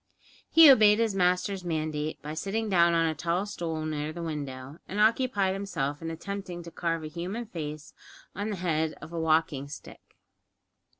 He obeyed his master's mandate by sitting down on a tall stool near the window, and occupied himself in attempting to carve a human face on the head of a walking stick.